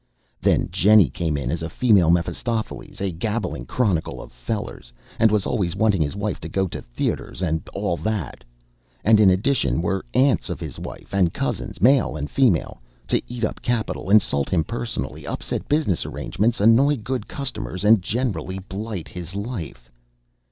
Then Jennie came in as a female Mephistopheles, a gabbling chronicle of "fellers," and was always wanting his wife to go to theatres, and "all that." And in addition were aunts of his wife, and cousins (male and female) to eat up capital, insult him personally, upset business arrangements, annoy good customers, and generally blight his life.